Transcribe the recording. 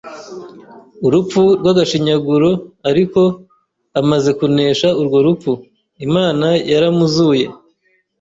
urupfu rw’agashinyaguro ariko amaze kunesha urwo rupfu Imana yaramuzuye